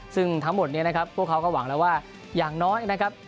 ซึ่งทั้งหมดนี้นะครับพวกเขาก็หวังแล้วว่าอย่างน้อยนะครับ